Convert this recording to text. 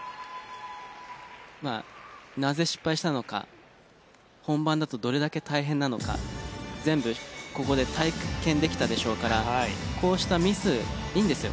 まあなぜ失敗したのか本番だとどれだけ大変なのか全部ここで体験できたでしょうからこうしたミスいいんですよ。